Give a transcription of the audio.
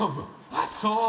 ああそう。